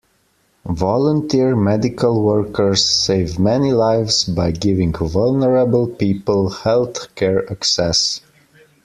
Volunteer Medical workers save many lives by giving vulnerable people health-care access